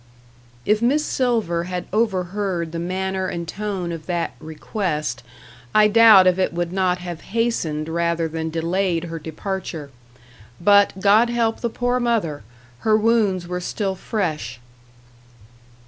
If Miss Silver had overheard the manner and tone of that "request," I doubt if it would not have hastened rather than delayed her departure. But, God help the poor mother! her wounds were still fresh.